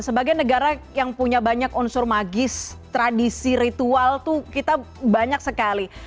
sebagai negara yang punya banyak unsur magis tradisi ritual itu kita banyak sekali